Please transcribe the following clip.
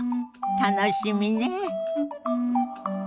楽しみね。